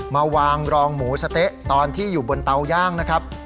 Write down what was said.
มาวางรองหมูสะเต๊ะตอนที่อยู่บนเตาย่างนะครับ